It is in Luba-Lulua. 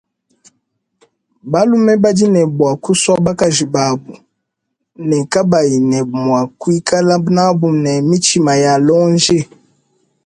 Balume badi ne bua kusua bakaji babu ne kabayi ne mua kuikala nabu ne mitshima ya lonji.